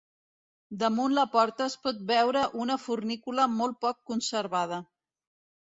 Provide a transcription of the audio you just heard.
Damunt la porta es pot veure una fornícula molt poc conservada.